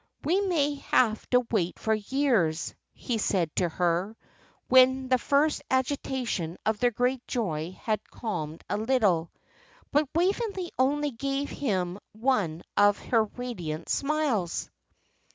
"We may have to wait for years," he said to her, when the first agitation of their great joy had calmed a little. But Waveney only gave him one of her radiant smiles.